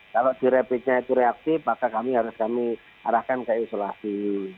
kalau di rapidnya itu reaktif maka kami harus kami arahkan ke isolasi